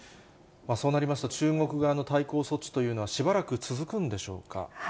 そうなりますと、中国側の対抗措置というのは、しばらく続くんでしょうか。